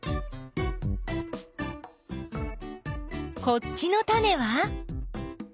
こっちのタネは？